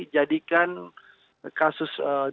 jadikan kasus direksi